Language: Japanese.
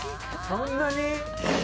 そんなに？